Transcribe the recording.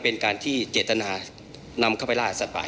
มีการที่จะพยายามติดศิลป์บ่นเจ้าพระงานนะครับ